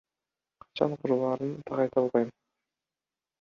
Качан курулаарын так айта албайм.